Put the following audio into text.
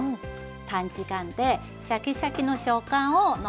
短時間でシャキシャキの食感を残して仕上がります。